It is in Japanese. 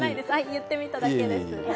言ってみただけです。